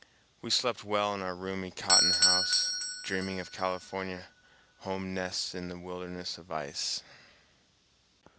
We slept well in our roomy cotton house, dreaming of California home nests in the wilderness of ice.